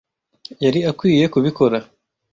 yari akwiye kubikora.